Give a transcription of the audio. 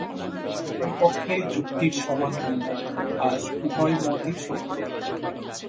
উভয় পক্ষেই যুক্তির সমান মূল্য, আর উভয় মতই সত্য।